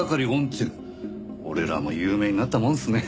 俺らも有名になったもんですね。